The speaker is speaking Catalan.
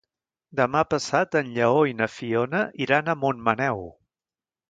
Demà passat en Lleó i na Fiona iran a Montmaneu.